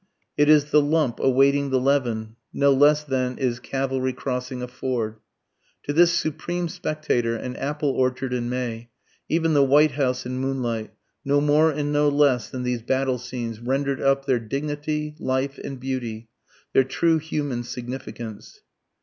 It is the lump awaiting the leaven no less than is "Cavalry Crossing a Ford." To this supreme spectator an apple orchard in May, even the White House in moonlight, no more and no less than these battle scenes, rendered up their dignity, life, and beauty, their true human significance.